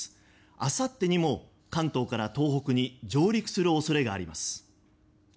あさってにも関東から東北に上陸する恐れがあります。